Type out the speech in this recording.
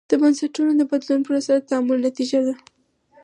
د بنسټونو د بدلون پروسه د تعامل نتیجه ده.